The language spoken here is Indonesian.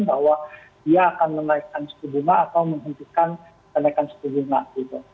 bahwa dia akan menaikkan s lima belas atau menhentikan menaikkan s lima belas gitu